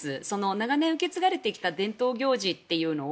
長年受け継がれてきた伝統行事というのを